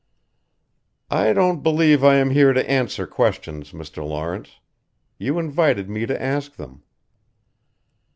"I don't believe I am here to answer questions, Mr. Lawrence. You invited me to ask them."